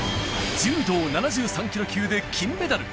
柔道７３キロ級で金メダル。